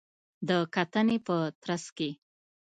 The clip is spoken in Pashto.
د کتنې په ترڅ کې